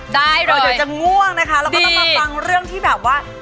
เดี๋ยวจะง่วงนะคะเราก็ต้องมาฟังเรื่องที่แบบว่า